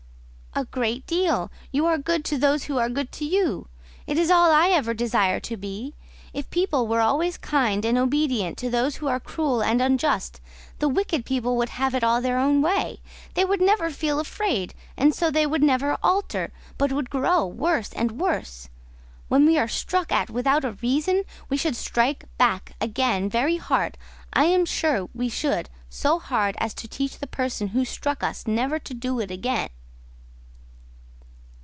"A great deal: you are good to those who are good to you. It is all I ever desire to be. If people were always kind and obedient to those who are cruel and unjust, the wicked people would have it all their own way: they would never feel afraid, and so they would never alter, but would grow worse and worse. When we are struck at without a reason, we should strike back again very hard; I am sure we should—so hard as to teach the person who struck us never to do it again."